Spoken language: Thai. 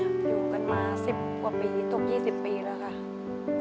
อยู่กันมา๑๐กว่าปีตก๒๐ปีแล้วค่ะ